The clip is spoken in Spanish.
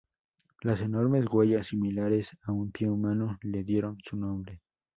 Las enormes huellas, similares a un pie humano, le dieron su nombre.